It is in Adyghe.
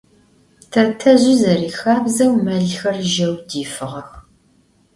Tetezj, zerixabzeu, melxer jeu difığex.